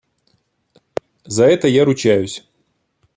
За это я ручаюсь!